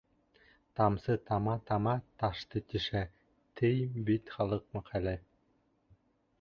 Тамсы тама-тама ташты тишә, ти бит халыҡ мәҡәле.